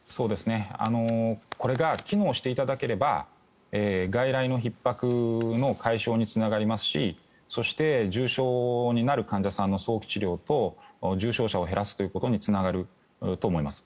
これが機能していただければ外来のひっ迫の解消につながりますしそして、重症になる患者さんの早期治療と重症者を減らすということにつながると思います。